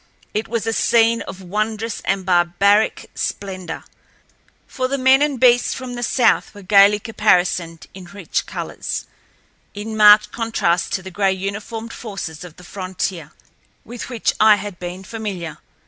It was a scene of wondrous and barbaric splendor, for the men and beasts from the south were gaily caparisoned in rich colors, in marked contrast to the gray uniformed forces of the frontier, with which I had been familiar.